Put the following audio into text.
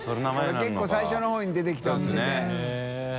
海結構最初の方に出てきたお店で。